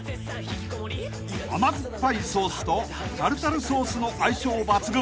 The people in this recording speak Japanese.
［甘酸っぱいソースとタルタルソースの相性抜群］